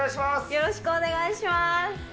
よろしくお願いします。